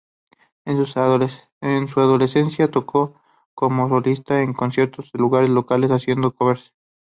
En su adolescencia, tocó como solista en conciertos de lugares locales haciendo covers.